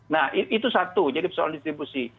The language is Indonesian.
nah itu satu jadi soal distribusi